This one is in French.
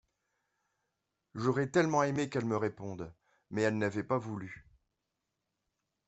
J'aurais tellement aimé qu'elle me réponde, mais elle n'avait pas voulu.